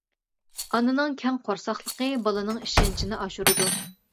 ئانىنىڭ كەڭ قورساقلىقى بالىنىڭ ئىشەنچىنى ئاشۇرىدۇ.